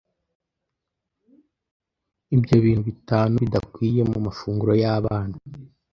Ibyo bintu bitanu bidakwiye mu mafunguro y’abana